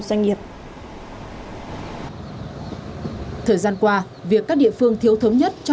xong theo tinh thần của nghị quyết một trăm hai mươi tám việc thực hiện thống nhất sẽ giúp chuỗi cung ứng thông suốt